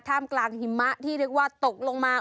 มกลางหิมะที่เรียกว่าตกลงมา